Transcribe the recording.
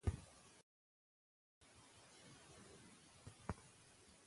که درناوی وي نو شخړه نه جوړیږي.